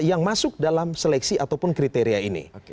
yang masuk dalam seleksi ataupun kriteria ini